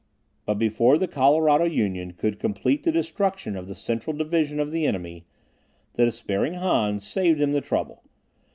But before the Colorado Union could complete the destruction of the central division of the enemy, the despairing Hans saved them the trouble.